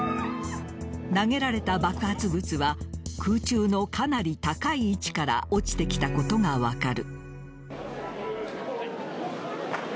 投げられた爆発物は空中のかなり高い位置から落ちてきたことが分かる。